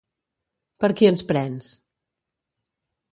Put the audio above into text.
Per qui ens prens?